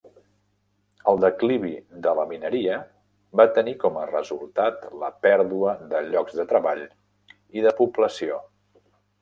El declivi de la mineria va tenir com a resultat la pèrdua de llocs de treball i de població.